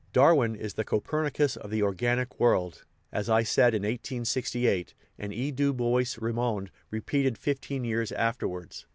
Darwin is the Copernicus of the organic world, as I said in 1868, and E. du Bois Reymond repeated fifteen years after wards.